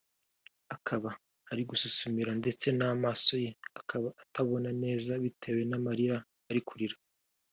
akaba ari gususumira ndetse n'amaso ye akaba atabona neza bitewe n'amarira ari kurira